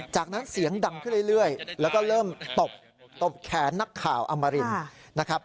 จากนั้นเสียงดังขึ้นเรื่อยแล้วก็เริ่มตบตบแขนนักข่าวอมรินนะครับ